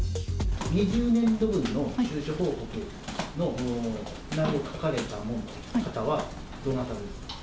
２０年度分の収支報告の内容を書かれた方はどなたですか。